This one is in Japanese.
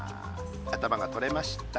頭が取れました。